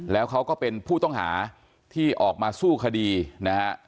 แล้วเขาก็เป็นผู้ต้องหาที่ออกมาสู้คดีนะฮะ